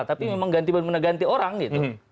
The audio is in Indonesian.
tapi memang ganti benda benda ganti orang gitu